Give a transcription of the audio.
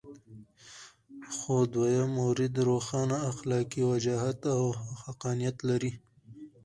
خو دویم مورد روښانه اخلاقي وجاهت او حقانیت لري.